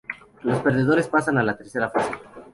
Los perdedores pasan a la tercera fase.